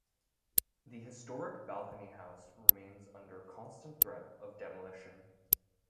The historic Balcony House remains under constant threat of demolition.